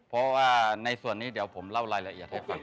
เพราะว่าในส่วนนี้เดี๋ยวผมเล่ารายละเอียดให้ฟัง